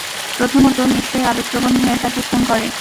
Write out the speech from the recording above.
প্রথমতম, নিশ্চয়ই আবেগপ্রবণ হয়ে তাকে খুন করে।